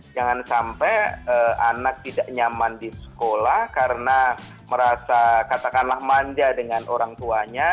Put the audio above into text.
jangan sampai anak tidak nyaman di sekolah karena merasa katakanlah manja dengan orang tuanya